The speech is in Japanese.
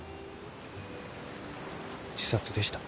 自殺でした。